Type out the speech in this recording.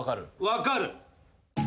分かる。